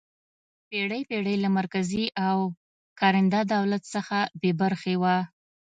پېړۍ پېړۍ له مرکزي او کارنده دولت څخه بې برخې وه.